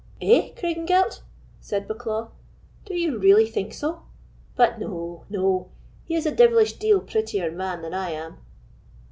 "Eh! Craigengelt?" said Bucklaw, "do you really think so? but no, no! he is a devilish deal prettier man than I am."